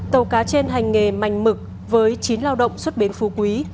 tàu cá trên hành nghề mạnh mực với chín lao động xuất bến phú quý